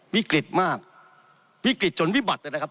วิกฤตมากวิกฤตจนวิบัตินะครับ